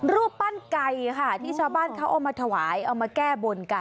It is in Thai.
รูปปั้นไก่ค่ะที่ชาวบ้านเขาเอามาถวายเอามาแก้บนกัน